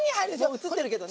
もう映ってるけどね。